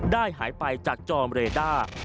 ได้หายไปจากจอมเรด้า